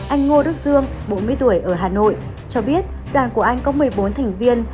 anh ngô đức dương bốn mươi tuổi ở hà nội cho biết đoàn của anh có một mươi bốn thành viên